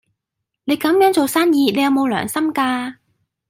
你咁樣做生意，你有冇良心㗎？